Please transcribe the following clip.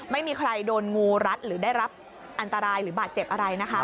ไม่มีใครโดนงูรัดหรือได้รับอันตรายหรือบาดเจ็บอะไรนะคะ